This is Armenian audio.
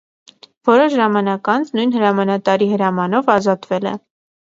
Որոշ ժամանակ անց, նույն հրամանատարի հրամանով, ազատվել է։